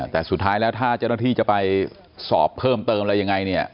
แต่สุดท้ายแล้วถ้าเจ้าหน้าที่จะไปสอบเพิ่มเติมอะไรยังไงเนี่ย